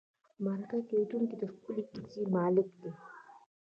مرکه کېدونکی د خپلې کیسې مالک دی.